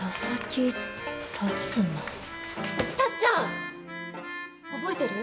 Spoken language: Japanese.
タッちゃん！覚えてる？